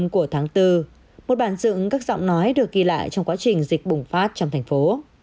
của tháng bốn một bản dựng các giọng nói được ghi lại trong quá trình dịch bùng phát trong thành phố